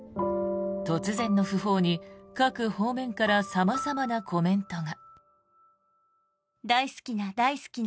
突然の訃報に各方面から様々なコメントが。